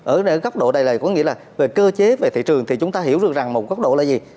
ở góc độ đại lầy có nghĩa là về cơ chế về thị trường thì chúng ta hiểu được rằng một góc độ là gì